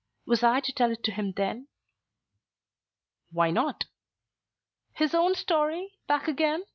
Was I to tell it to him then?" "Why not?" "His own story, back again?